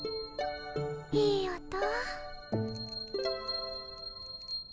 いい音。